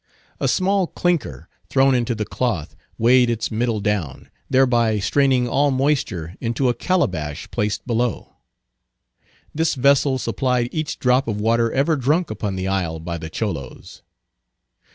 A small clinker, thrown into the cloth, weighed its middle down, thereby straining all moisture into a calabash placed below. This vessel supplied each drop of water ever drunk upon the isle by the Cholos.